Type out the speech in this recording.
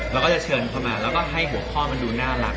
เราก็จะเชิญเข้ามาแล้วก็ให้หัวข้อมันดูน่ารัก